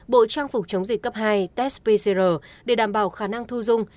bộ trang phục chống dịch cấp hai test pcr để đảm bảo khả năng thu dung